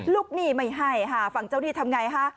หนี้ไม่ให้ค่ะฝั่งเจ้าหนี้ทำไงฮะ